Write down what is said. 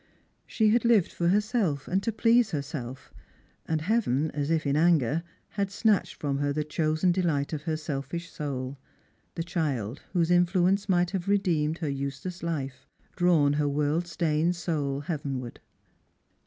She had Uved for herself and to please 290 Strangers and Filgrims. herself, and Heaven, as if in anger, had snatched from her the chosen delight of her selfish soul — the child whose influence might have redeemed her useless life, drawn her world stained Boul heavenward.